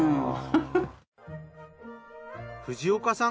藤岡さん